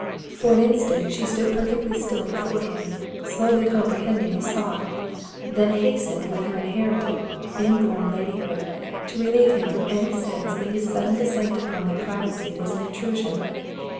For an instant she stood perfectly still before him, slowly comprehend ing his thought, then hastened with her inherited, inborn ladyhood to relieve him from any sense that his sudden descent upon their privacy was an intrusion.